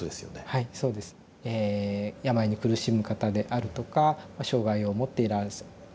はいそうです。え病に苦しむ方であるとか障害を持っている方。